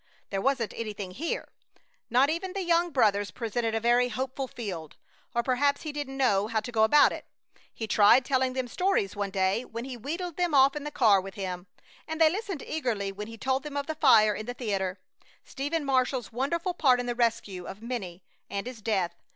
There wasn't anything here. Not even the young brothers presented a very hopeful field, or perhaps he didn't know how to go about it. He tried telling them stories one day when he wheedled them off in the car with him, and they listened eagerly when he told them of the fire in the theater, Stephen Marshall's wonderful part in the rescue of many, and his death.